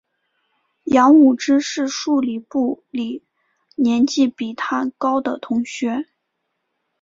杨武之是数理部里年级比他高的同学。